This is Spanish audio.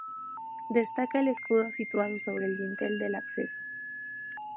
Destaca el escudo situado sobre el dintel del acceso.